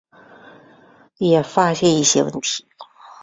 也发现一些问题